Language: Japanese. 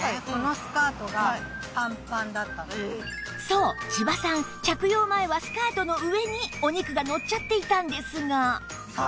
そうちばさん着用前はスカートの上にお肉がのっちゃっていたんですが